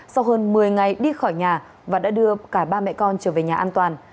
sau hơn một mươi ngày đi khỏi nhà và đã đưa cả ba mẹ con trở về nhà an toàn